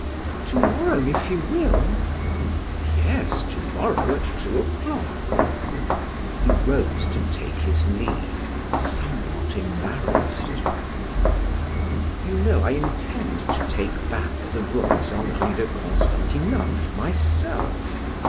"To morrow, if you will." "Yes, to morrow at two o'clock." He rose to take his leave somewhat embarrassed. "You know I intend to take back the rooms on Rue de Constantinople myself.